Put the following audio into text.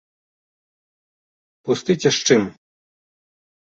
Пусты ці з чым?